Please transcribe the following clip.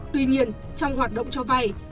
tuy nhiên trong hoạt động cho vay